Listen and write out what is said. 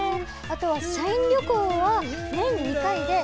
あとは社員旅行は年２回で。